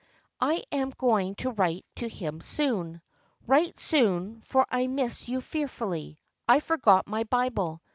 I am going to write to him soon. Write soon for I miss you fearfully. I forgot my Bible.